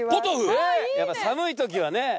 やっぱ寒いときはね